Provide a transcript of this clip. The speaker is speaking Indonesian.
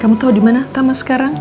kamu tahu di mana tama sekarang